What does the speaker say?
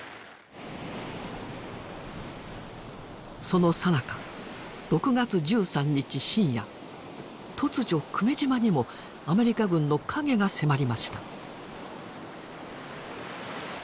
そのさなか突如久米島にもアメリカ軍の影が迫りました。